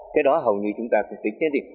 cái đó hầu như chúng ta không tính hết gì